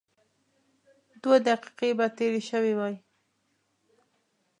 دوه دقيقې به تېرې شوې وای.